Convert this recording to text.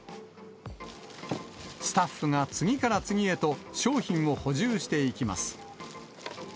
スタッフが次から次へと商品を補充していきます。